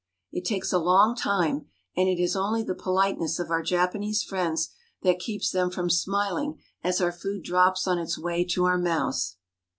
It takes a long time. HOME LIFE 55 and it is only the politeness of our Japanese friends that keeps them from smiling as our food drops on its way to our mouths.